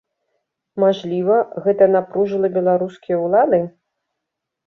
Мажліва, гэта напружыла беларускія ўлады?